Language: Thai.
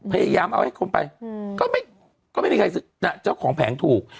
พยายามเอาให้คนไปก็ไม่มีใครซื้อเจ้าของแผงถูก